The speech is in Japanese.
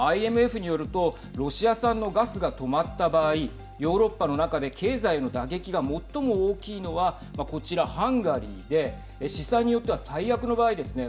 ＩＭＦによるとロシア産のガスが止まった場合ヨーロッパの中で経済への打撃が最も大きいのはこちら、ハンガリーで試算によっては最悪の場合ですね